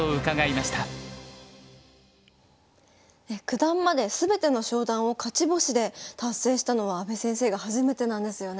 九段まで全ての昇段を勝ち星で達成したのは阿部先生が初めてなんですよね。